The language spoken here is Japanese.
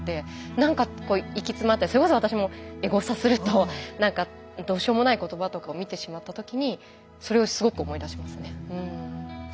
なんか息詰まったりそれこそ私もエゴサするとどうしようもない言葉とかを見てしまった時にそれをすごく思い出しますね。